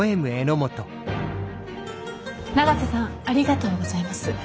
永瀬さんありがとうございます。